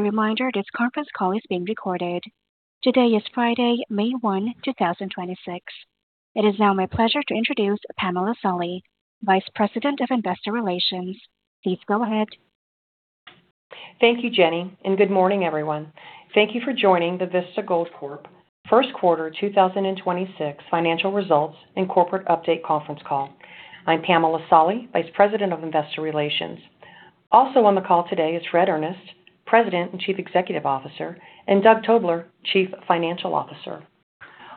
Reminder, this conference call is being recorded. Today is Friday, May 1, 2026. It is now my pleasure to introduce Pamela Solly, Vice President of Investor Relations. Please go ahead. Thank you, Jenny, and good morning, everyone. Thank you for joining the Vista Gold Corp. Q1 2026 Financial Results and Corporate Update conference call. I'm Pamela Solly, Vice President of Investor Relations. Also on the call today is Fred Earnest, President and Chief Executive Officer, and Doug Tobler, Chief Financial Officer.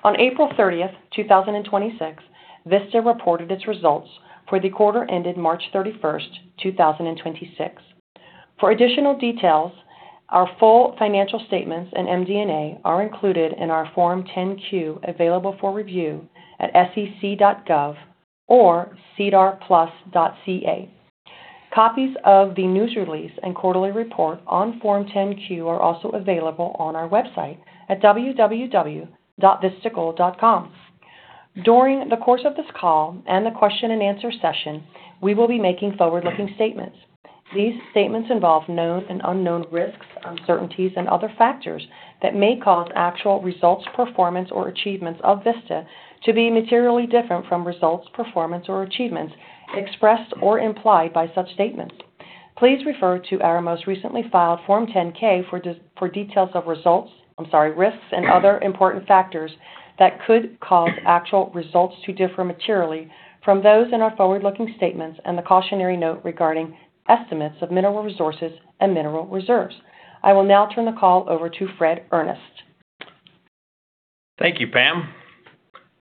On April 30, 2026, Vista reported its results for the quarter ended March 31, 2026. For additional details, our full financial statements and MD&A are included in our Form 10-Q, available for review at sec.gov or sedarplus.ca. Copies of the news release and quarterly report on Form 10-Q are also available on our website at www.vistagold.com. During the course of this call and the question-and-answer session, we will be making forward-looking statements. These statements involve known and unknown risks, uncertainties, and other factors that may cause actual results, performance, or achievements of Vista to be materially different from results, performance, or achievements expressed or implied by such statements. Please refer to our most recently filed Form 10-K for details of results, I'm sorry, risks and other important factors that could cause actual results to differ materially from those in our forward-looking statements and the cautionary note regarding estimates of mineral resources and mineral reserves. I will now turn the call over to Fred Earnest. Thank you, Pam.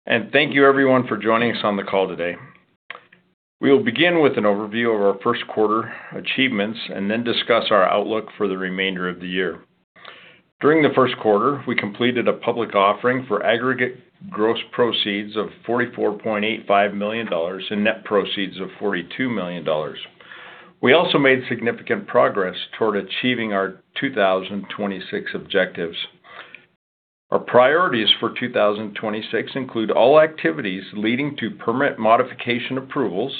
And thank you everyone for joining us on the call today. We will begin with an overview of our Q1 achievements and then discuss our outlook for the remainder of the year. During the Q1, we completed a public offering for aggregate gross proceeds of $44.85 million and net proceeds of $42 million. We also made significant progress toward achieving our 2026 objectives. Our priorities for 2026 include all activities leading to permit modification approvals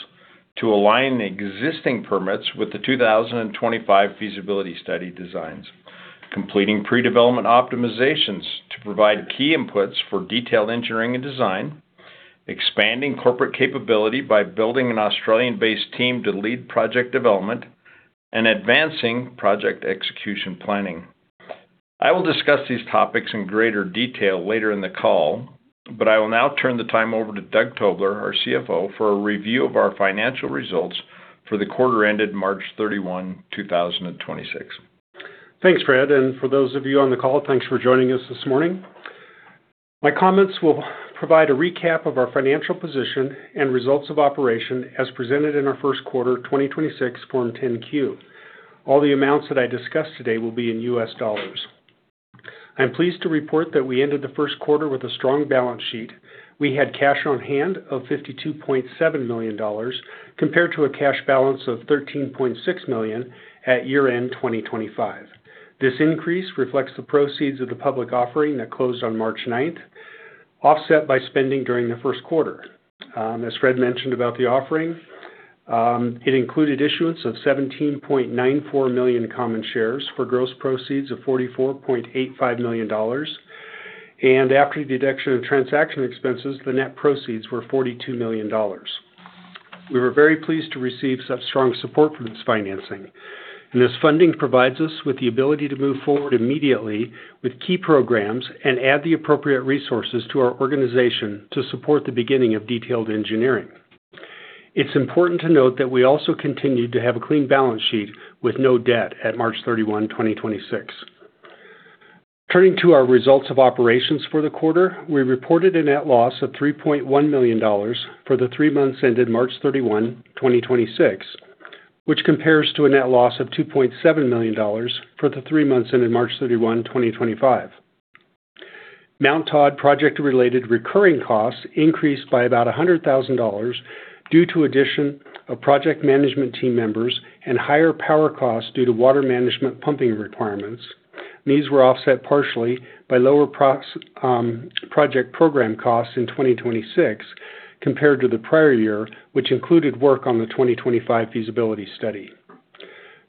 to align existing permits with the 2025 feasibility study designs, completing pre-development optimizations to provide key inputs for detailed engineering and design, expanding corporate capability by building an Australian-based team to lead project development, and advancing project execution planning. I will discuss these topics in greater detail later in the call, but I will now turn the time over to Doug Tobler, our CFO, for a review of our financial results for the quarter ended March 31, 2026. Thanks, Fred, and for those of you on the call, thanks for joining us this morning. My comments will provide a recap of our financial position and results of operation as presented in our Q1 2026 Form 10-Q. All the amounts that I discuss today will be in U.S. dollars. I'm pleased to report that we ended the Q1 with a strong balance sheet. We had cash on hand of $52.7 million compared to a cash balance of $13.6 million at year-end 2025. This increase reflects the proceeds of the public offering that closed on March 9, offset by spending during the Q1. As Fred mentioned about the offering, it included issuance of 17.94 million common shares for gross proceeds of $44.85 million. And after the deduction of transaction expenses, the net proceeds were $42 million. We were very pleased to receive such strong support for this financing, and this funding provides us with the ability to move forward immediately with key programs and add the appropriate resources to our organization to support the beginning of detailed engineering. It's important to note that we also continued to have a clean balance sheet with no debt at March 31, 2026. Turning to our results of operations for the quarter. We reported a net loss of $3.1 million for the three months ended March 31, 2026, which compares to a net loss of $2.7 million for the three months ended March 31, 2025. Mt Todd project-related recurring costs increased by about $100,000 due to addition of project management team members and higher power costs due to water management pumping requirements. These were offset partially by lower project program costs in 2026 compared to the prior year, which included work on the 2025 feasibility study.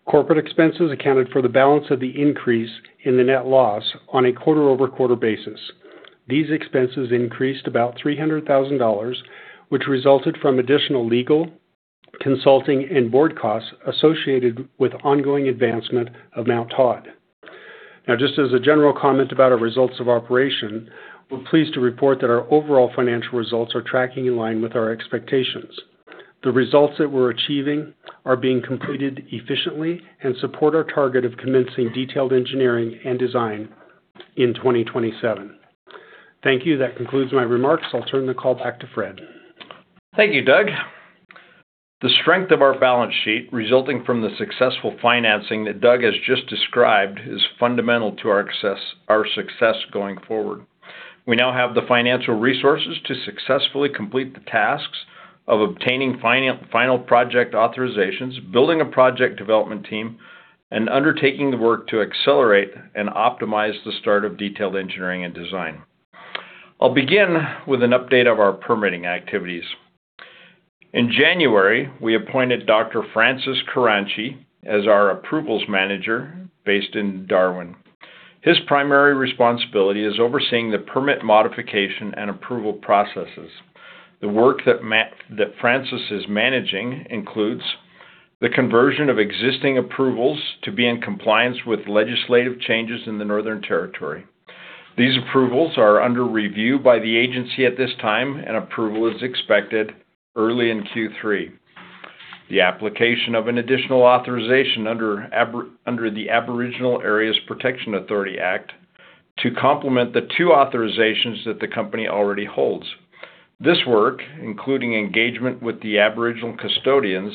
Corporate expenses accounted for the balance of the increase in the net loss on a quarter-over-quarter basis. These expenses increased about $300,000, which resulted from additional legal, consulting, and board costs associated with ongoing advancement of Mt Todd. Now, just as a general comment about our results of operation, we are pleased to report that our overall financial results are tracking in line with our expectations. The results that we are achieving are being completed efficiently and support our target of commencing detailed engineering and design in 2027. Thank you. That concludes my remarks. I'll turn the call back to Fred. Thank you, Doug. The strength of our balance sheet resulting from the successful financing that Doug has just described is fundamental to our success going forward. We now have the financial resources to successfully complete the tasks of obtaining final project authorizations, building a project development team, and undertaking the work to accelerate and optimize the start of detailed engineering and design. I'll begin with an update of our permitting activities. In January, we appointed Dr. Francis Kuranchie as our approvals manager based in Darwin. His primary responsibility is overseeing the permit modification and approval processes. The work that Francis is managing includes the conversion of existing approvals to be in compliance with legislative changes in the Northern Territory. These approvals are under review by the agency at this time, and approval is expected early in Q3. The application of an additional authorization under the Aboriginal Areas Protection Authority Act to complement the two authorizations that the company already holds. This work, including engagement with the Aboriginal custodians,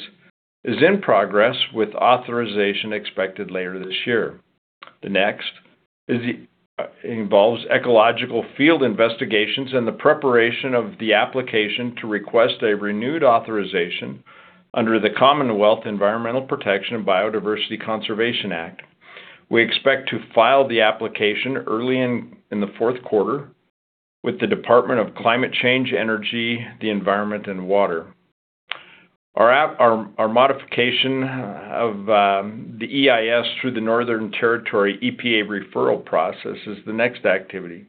is in progress with authorization expected later this year. Next, involves ecological field investigations and the preparation of the application to request a renewed authorization under the Commonwealth Environment Protection and Biodiversity Conservation Act 1999. We expect to file the application early in the Q4 with the Department of Climate Change, Energy, the Environment and Water. Our modification of the EIS through the Northern Territory EPA referral process is the next activity.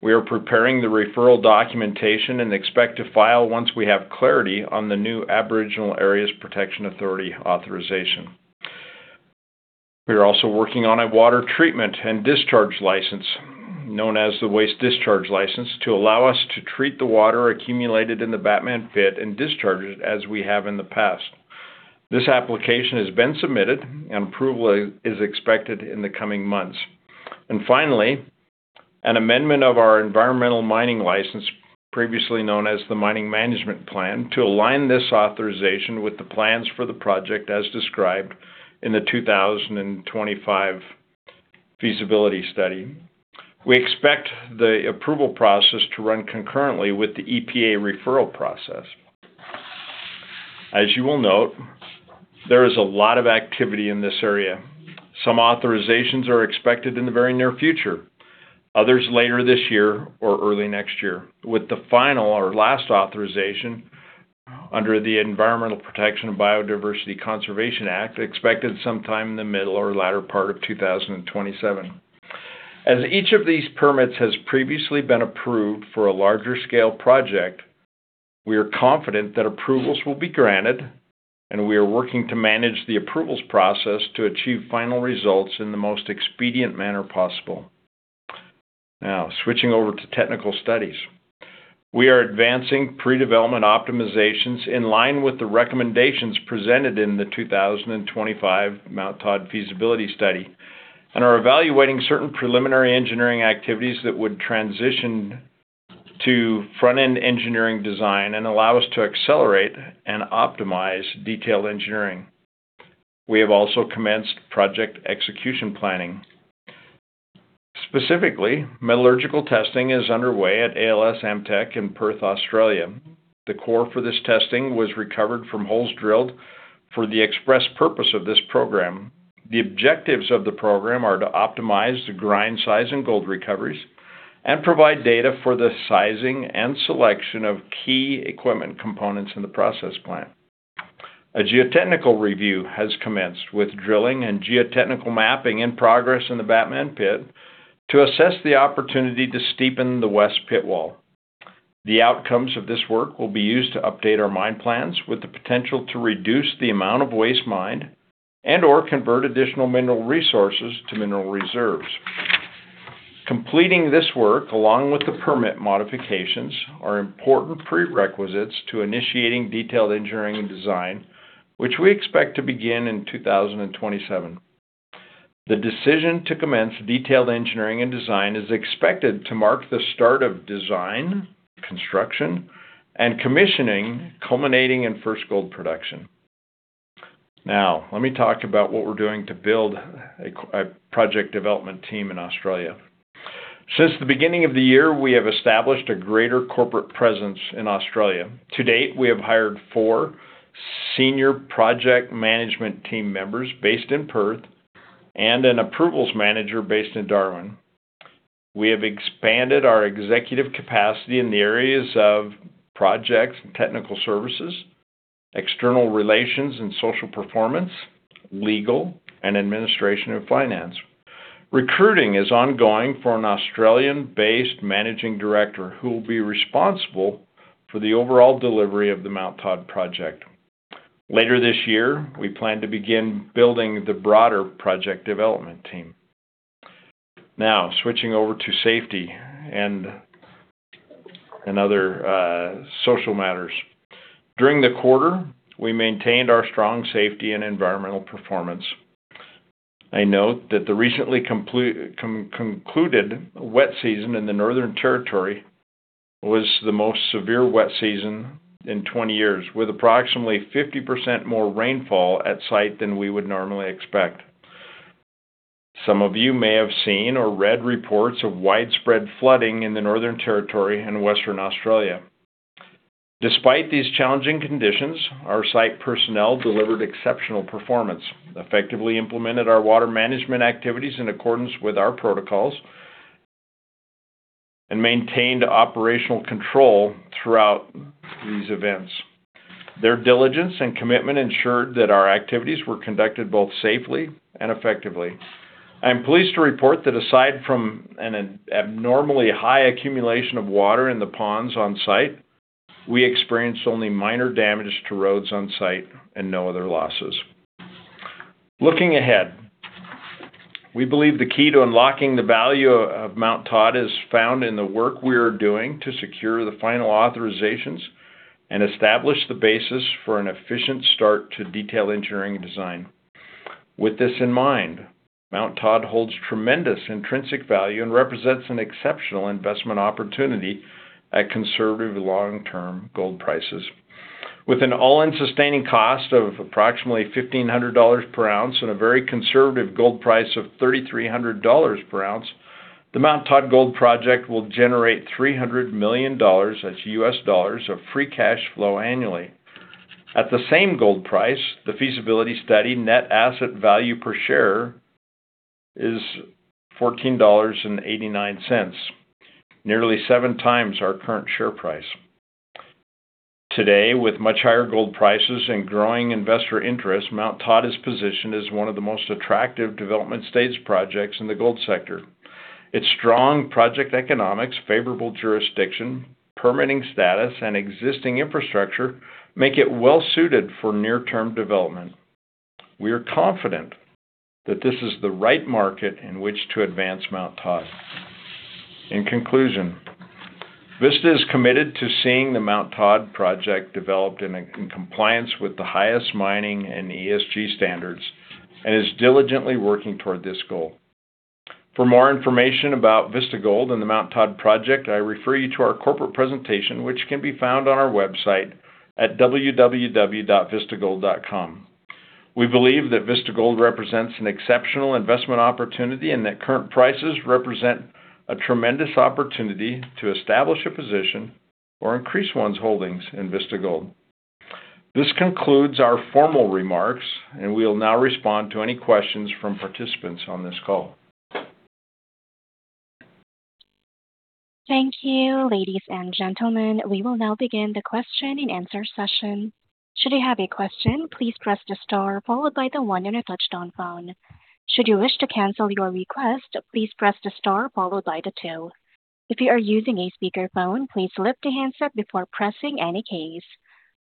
We are preparing the referral documentation and expect to file once we have clarity on the new Aboriginal Areas Protection Authority authorization. We are also working on a water treatment and discharge license, known as the waste discharge license, to allow us to treat the water accumulated in the Batman Pit and discharge it as we have in the past. This application has been submitted, approval is expected in the coming months. And finally, an amendment of our environmental mining license, previously known as the Mining Management Plan, to align this authorization with the plans for the project as described in the 2025 feasibility study. We expect the approval process to run concurrently with the EPA referral process. As you will note, there is a lot of activity in this area. Some authorizations are expected in the very near future, others later this year or early next year, with the final or last authorization under the Environment Protection and Biodiversity Conservation Act expected sometime in the middle or latter part of 2027. As each of these permits has previously been approved for a larger scale project, we are confident that approvals will be granted, and we are working to manage the approvals process to achieve final results in the most expedient manner possible. Now, switching over to technical studies. We are advancing pre-development optimizations in line with the recommendations presented in the 2025 Mt Todd feasibility study and are evaluating certain preliminary engineering activities that would transition to front-end engineering design and allow us to accelerate and optimize detailed engineering. We have also commenced project execution planning. Specifically, metallurgical testing is underway at ALS Ammtec in Perth, Australia. The core for this testing was recovered from holes drilled for the express purpose of this program. The objectives of the program are to optimize the grind size and gold recoveries and provide data for the sizing and selection of key equipment components in the process plant. A geotechnical review has commenced with drilling and geotechnical mapping in progress in the Batman Pit to assess the opportunity to steepen the west pit wall. The outcomes of this work will be used to update our mine plans with the potential to reduce the amount of waste mined and/or convert additional mineral resources to mineral reserves. Completing this work, along with the permit modifications, are important prerequisites to initiating detailed engineering and design, which we expect to begin in 2027. The decision to commence detailed engineering and design is expected to mark the start of design, construction, and commissioning, culminating in first gold production. Now, let me talk about what we're doing to build a project development team in Australia. Since the beginning of the year, we have established a greater corporate presence in Australia. To date, we have hired four senior project management team members based in Perth and an approvals manager based in Darwin. We have expanded our executive capacity in the areas of projects and technical services, external relations and social performance, legal, and administration and finance. Recruiting is ongoing for an Australian-based managing director who will be responsible for the overall delivery of the Mt Todd project. Later this year, we plan to begin building the broader project development team. Now, switching over to safety and other social matters. During the quarter, we maintained our strong safety and environmental performance. I note that the recently concluded wet season in the Northern Territory was the most severe wet season in 20 years, with approximately 50% more rainfall at site than we would normally expect. Some of you may have seen or read reports of widespread flooding in the Northern Territory and Western Australia. Despite these challenging conditions, our site personnel delivered exceptional performance, effectively implemented our water management activities in accordance with our protocols and maintained operational control throughout these events. Their diligence and commitment ensured that our activities were conducted both safely and effectively. I'm pleased to report that aside from an abnormally high accumulation of water in the ponds on site, we experienced only minor damage to roads on site and no other losses. Looking ahead, we believe the key to unlocking the value of Mt Todd is found in the work we are doing to secure the final authorizations and establish the basis for an efficient start to detailed engineering design. With this in mind, Mt Todd holds tremendous intrinsic value and represents an exceptional investment opportunity at conservative long-term gold prices. With an all-in sustaining cost of approximately $1,500 per ounce and a very conservative gold price of $3,300 per ounce, the Mt Todd gold project will generate $300 million, that's U.S. dollars, of free cash flow annually. At the same gold price, the feasibility study net asset value per share is $14.89, nearly seven times our current share price. Today, with much higher gold prices and growing investor interest, Mt Todd is positioned as one of the most attractive development stage projects in the gold sector. Its strong project economics, favorable jurisdiction, permitting status, and existing infrastructure make it well-suited for near-term development. We are confident that this is the right market in which to advance Mt Todd. In conclusion, Vista is committed to seeing the Mt Todd project developed in compliance with the highest mining and ESG standards and is diligently working toward this goal. For more information about Vista Gold and the Mt Todd project, I refer you to our corporate presentation, which can be found on our website at www.vistagold.com. We believe that Vista Gold represents an exceptional investment opportunity and that current prices represent a tremendous opportunity to establish a position or increase one's holdings in Vista Gold. This concludes our formal remarks, and we will now respond to any questions from participants on this call. Thank you, ladies and gentlemen. We will now begin the question-and-answer session. Should we have a question. Please press the star followed by the one in your touch down phone. Should you wish to cancel to your request, please press the star followed by the two. If your are using a speaker phone, please lift your hands up before pressing any keys.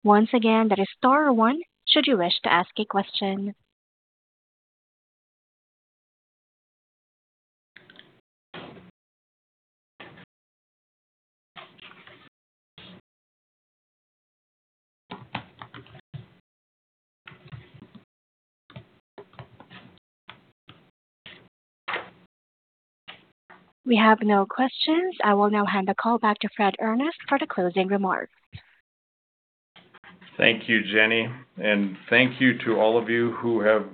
Once again, that is a star one, should you wish to ask a question. We have no questions. I will now hand the call back to Fred Earnest for the closing remarks. Thank you, Jenny, and thank you to all of you who have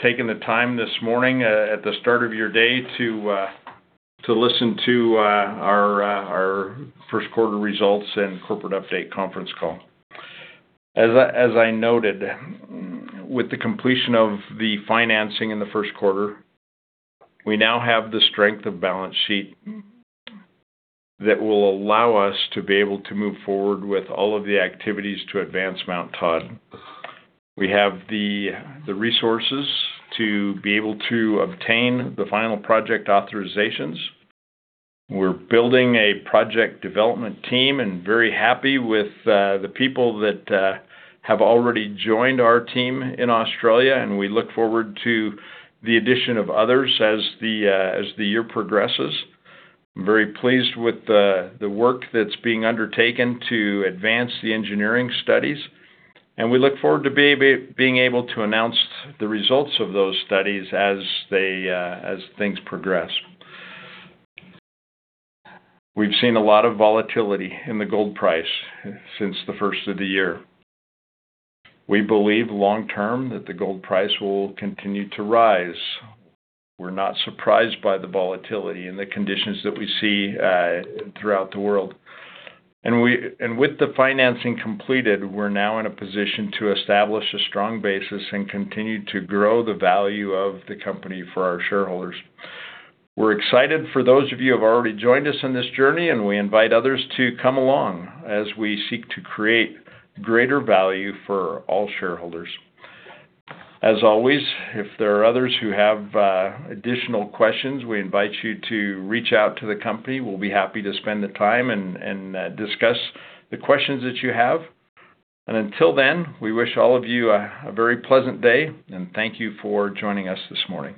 taken the time this morning at the start of your day to listen to our Q1 results and corporate update conference call. As I noted, with the completion of the financing in the Q1, we now have the strength of balance sheet that will allow us to be able to move forward with all of the activities to advance Mt Todd. We have the resources to be able to obtain the final project authorizations. We're building a project development team and very happy with the people that have already joined our team in Australia, and we look forward to the addition of others as the year progresses. I'm very pleased with the work that's being undertaken to advance the engineering studies, and we look forward to being able to announce the results of those studies as they as things progress. We've seen a lot of volatility in the gold price since the first of the year. We believe long term that the gold price will continue to rise. We're not surprised by the volatility and the conditions that we see throughout the world. And with the financing completed, we're now in a position to establish a strong basis and continue to grow the value of the company for our shareholders. We're excited for those of you who have already joined us on this journey, and we invite others to come along as we seek to create greater value for all shareholders. As always, if there are others who have additional questions, we invite you to reach out to the company. We'll be happy to spend the time and discuss the questions that you have. Until then, we wish all of you a very pleasant day, and thank you for joining us this morning.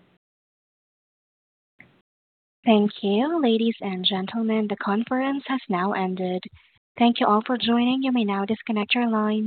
Thank you, ladies and gentlemen. The conference has now ended. Thank you all for joining. You may now disconnect your lines.